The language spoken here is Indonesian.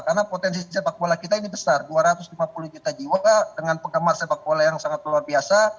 karena potensi sepak bola kita ini besar dua ratus lima puluh juta jiwa dengan penggemar sepak bola yang sangat luar biasa